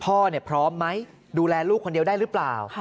พร้อมไหมดูแลลูกคนเดียวได้หรือเปล่า